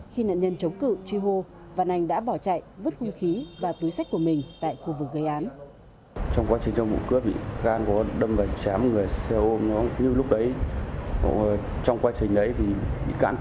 khi nạn nhân chống cự truy hô văn anh đã bỏ chạy vứt nguông khí và túi sách của mình tại khu vực gây án